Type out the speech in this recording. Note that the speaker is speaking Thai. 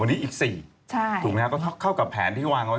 วันนี้อีก๔ถูกไหมครับก็เข้ากับแผนที่วางเอาไว้